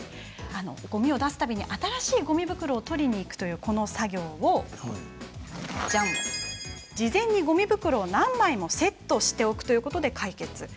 ごみを出すたびに新しいごみ袋を取りに行くというこの作業を事前にごみ袋を何枚もセットしておくということで解決できます。